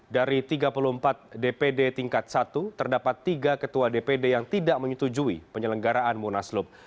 dari tiga puluh empat dpd tingkat satu terdapat tiga ketua dpd yang tidak menyetujui penyelenggaraan munaslup